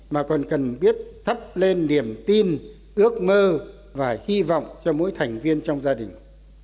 mà còn cần biết thắp lên niềm tin ước mơ và hy vọng cho mỗi thành viên trong gia đình